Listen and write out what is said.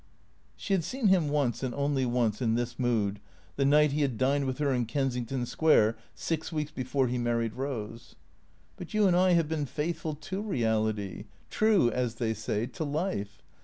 She had seen him once, and only once, in this mood, the night he had dined with her in Kensington Square six weeks before he married Rose. " But you and I have been faithful to reality — true, as they say, to life.